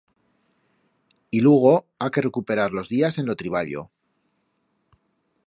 Y lugo ha que recuperar los días en lo triballo.